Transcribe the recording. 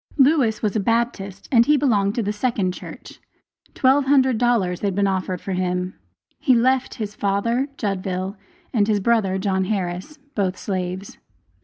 Lewis was a Baptist, and belonged to the second church. Twelve hundred dollars had been offered for him. He left his father (Judville), and his brother, John Harris, both slaves.